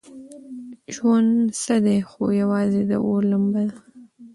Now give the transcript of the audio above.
ژوند څه دی خو یوازې د اور لمبه ده.